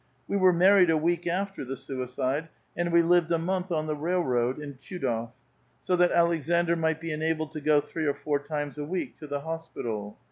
We were married a week after the suicide, and we lived a month on the railroad in Tchudof, so that Aleksandr mijrht be enabled to so three or four times a week to the hospital.